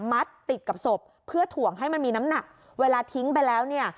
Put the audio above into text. มัดติดกับศพเพื่อถ่วงให้มันมีน้ำหนักเวลาทิ้งไปแล้วเนี่ย